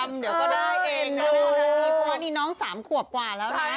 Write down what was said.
เพราะว่านี่น้องสามขวบกว่าแล้วนะ